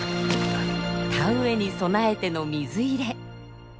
田植えに備えての水入れ。